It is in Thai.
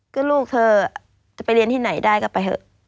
ก็ลูกเธอจะไปเรียนที่ไหนได้ก็ไปเถอะ